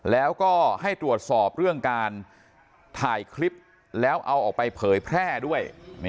แล้วก็ให้ตรวจสอบเรื่องการถ่ายคลิปแล้วเอาออกไปเผยแพร่ด้วย